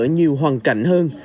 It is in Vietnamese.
nhiều hoàn cảnh hơn